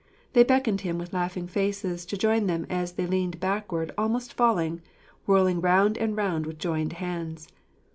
They beckoned him with laughing faces to join them as they leaned backward almost falling, whirling round and round with joined hands.